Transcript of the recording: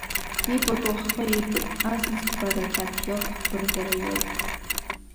Ипату ҳхы иқәуп, асас ҳабарақьаҭ иоуп, ҳгәырӷьара иоуп!